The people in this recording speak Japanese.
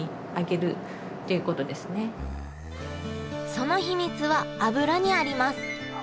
その秘密は油にあります。